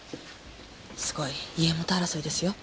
すごい家元争いですよ。